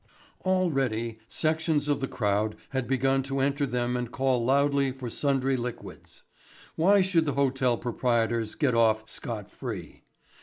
Already sections of the crowd had begun to enter them and call loudly for sundry liquids. Why should the hotel proprietors get off scot free?